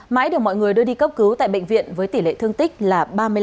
mãi được mọi người đưa đi cấp cứu tại bệnh viện với tỷ lệ thương tích là ba mươi năm